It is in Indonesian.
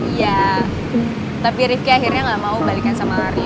iya tapi rifqi akhirnya gak mau balikan sama arin